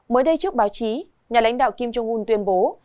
mới đây trước báo chí nhà lãnh đạo kim jong un tuyên bố